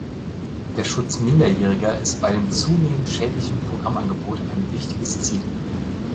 Der Schutz Minderjähriger ist bei dem zunehmend schädlichen Programmangebot ein wichtiges Ziel.